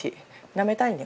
なめたいね